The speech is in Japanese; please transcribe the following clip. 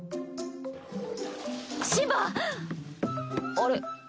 あれ？